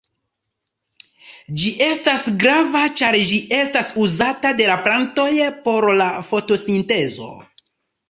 Ĝi estas grava ĉar ĝi estas uzata de la plantoj por la fotosintezo.